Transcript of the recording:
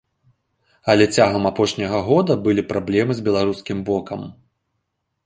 Але цягам апошняга года былі праблемы з беларускім бокам.